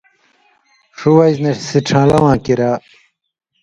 ݜُو وجہۡ نہ سِڇھان٘لہ واں کِریا